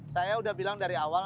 saya udah bilang dari awal